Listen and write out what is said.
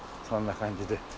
そんな感じで。